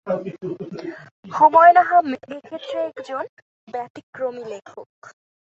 হুমায়ূন আহমেদ এ ক্ষেত্রে একজন ব্যতিক্রমী লেখক।